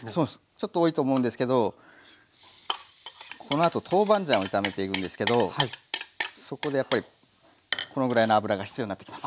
ちょっと多いと思うんですけどこのあとトーバンジャンを炒めていくんですけどそこでやっぱりこのぐらいの油が必要になってきます。